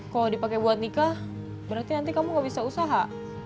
kalau dipakai buat nikah berarti nanti kamu gak bisa usaha